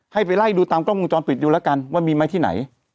ให้ไปไล่ดูตามกล้องวงจรปิดดูแล้วกันว่ามีไหมที่ไหน